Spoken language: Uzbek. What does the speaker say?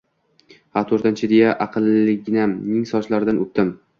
Ha, to`rtinchi, deya aqlliginamning sochlaridan o`pdim